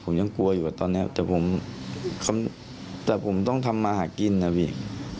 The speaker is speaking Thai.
มันยอมฟังผมเลย